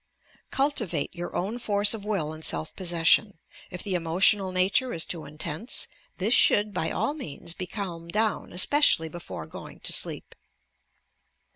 Cultivate your own force of will and self possession. If the emotional nature is too intense, this should by all means be calmed down, especially before going to sleep.